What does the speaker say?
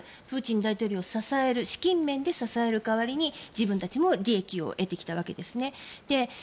プーチン大統領を資金面で支える代わりに自分たちも利益を得てきたわけですね。